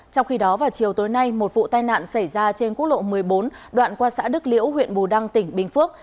trong khi đó vào chiều tối nay một vụ tai nạn xảy ra trên quốc lộ một mươi bốn đoạn qua xã đức liễu huyện bù đăng tỉnh bình phước